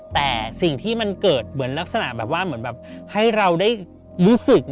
แต่สิ่งที่มันเกิดเหมือนลักษณะให้เราได้รู้สึก